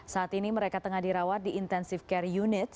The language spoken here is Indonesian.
saat ini mereka tengah dirawat di intensive care unit